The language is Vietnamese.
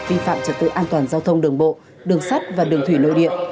vi phạm trật tự an toàn giao thông đường bộ đường sắt và đường thủy nội địa